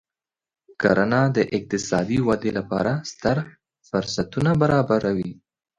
کرنه د اقتصادي ودې لپاره ستر فرصتونه برابروي.